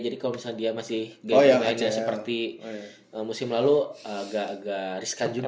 jadi kalau dia masih gede gede seperti musim lalu agak riskan juga